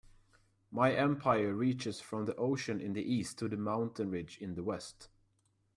My empire reaches from the ocean in the East to the mountain ridge in the West.